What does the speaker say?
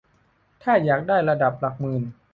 ถ้าอยากได้ระดับหลักหมื่น